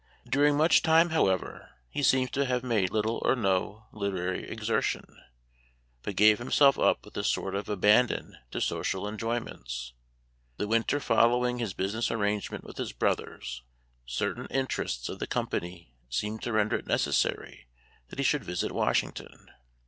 During much time, however, he seems to have made little or no literary exertion, but gave himself up with a sort of abandon to social enjoyments. The winter following his business arrangement with his brothers certain interests of the company seemed to render it necessary that he should visit Washington.